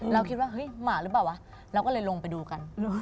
เราคิดว่าเฮ้ยหมาหรือเปล่าวะเราก็เลยลงไปดูกัน